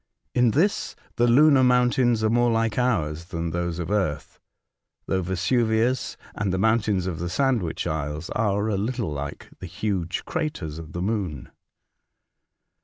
In this the lunar mountains are more like ours than those of earth, though Vesuvius and the mountains of the Sandwich Isles are a little like the huge craters of the moon.